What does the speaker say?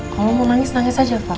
kalau mau nangis nangis saja pak